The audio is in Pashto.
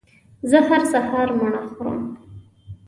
زه هر سهار مڼه خورم